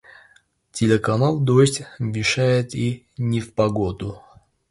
Телеканал "Дождь" вещает и в непогоду.